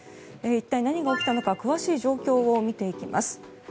一体、何が起きたのか詳しい状況を見ていきます。